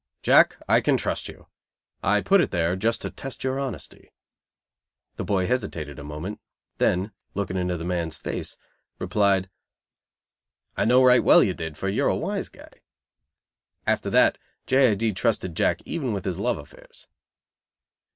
"Jack, I can trust you. I put it there just to test your honesty." The boy hesitated a moment, then, looking into the man's face, replied; "I know right well you did, for you are a wise guy." After that J. I. D. trusted Jack even with his love affairs.